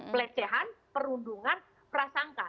pelecehan perundungan prasangka